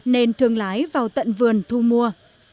nên thường lái vào tận vườn thu mua